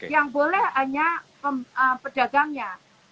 yang boleh hanya pedagangnya